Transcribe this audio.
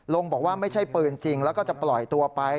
บอกว่าไม่ใช่ปืนจริงแล้วก็จะปล่อยตัวไป